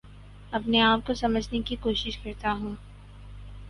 اپنے آپ کو سمجھنے کی کوشش کرتا ہوں